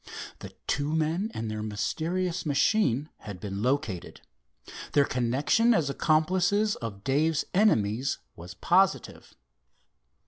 The two men and their mysterious machine had been located. Their connection as accomplices of Dave's enemies was positive.